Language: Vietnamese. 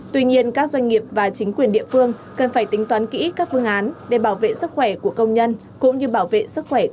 tuy nhiên các doanh nghiệp và chính quyền địa phương cần phải tính toán kỹ các phương án để bảo vệ sức khỏe của công nhân cũng như bảo vệ sức khỏe